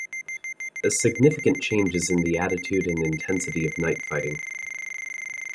A significant change is in the attitude and intensity of knight fighting.